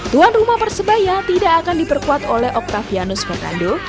tuan rumah persebaya tidak akan diperkuat oleh octavianus fernando